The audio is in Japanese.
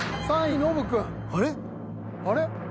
あれ？